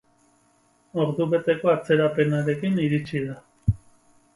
Ordubeteko atzerapenarekin iritsi da.